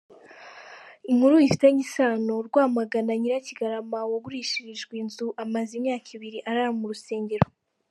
Inkuru bifitanye isano:Rwamagana: Nyirakigarama wagurishirijwe inzu amaze imyaka ibiri arara mu rusengero.